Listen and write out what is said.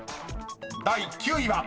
［第９位は］